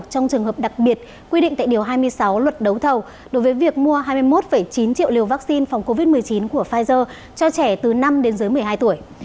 trong trường hợp đặc biệt quy định tại điều hai mươi sáu luật đấu thầu đối với việc mua hai mươi một chín triệu liều vaccine phòng covid một mươi chín của pfizer cho trẻ từ năm đến dưới một mươi hai tuổi